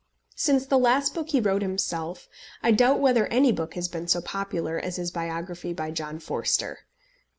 Since the last book he wrote himself, I doubt whether any book has been so popular as his biography by John Forster.